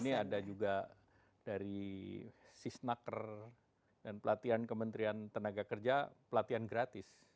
dan di sini ada juga dari sisnaker dan pelatihan kementerian tenaga kerja pelatihan gratis